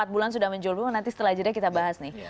empat bulan sudah menjulung nanti setelah jeda kita bahas nih